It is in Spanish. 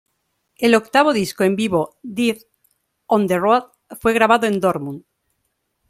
El octavo disco en vivo, "Death on the road", fue grabado en Dortmund.